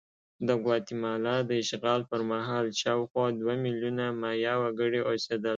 د ګواتیمالا د اشغال پر مهال شاوخوا دوه میلیونه مایا وګړي اوسېدل.